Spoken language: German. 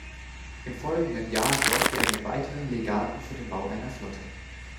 Im folgenden Jahr sorgte er mit weiteren Legaten für den Bau einer Flotte.